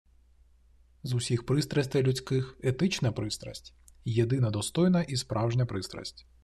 З усіх пристрастей людських етична пристрасть – єдина достойна і справжня пристрасть.